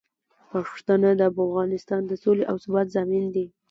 پښتانه د افغانستان د سولې او ثبات ضامن دي.